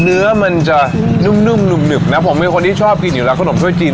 เนื้อมันจะนุ่มหนึบนะผมเป็นคนที่ชอบกินอยู่แล้วขนมถ้วยจีน